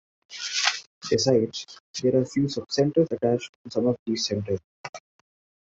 Besides, there are few sub-centres attached to some of these centres.